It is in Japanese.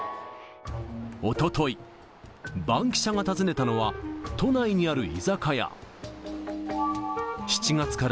おととい、バンキシャが訪ねたのは、都内にある居酒屋。